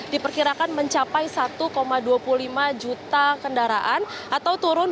diperkirakan mencapai satu dua puluh lima juta kendaraan atau turun dua tiga puluh dua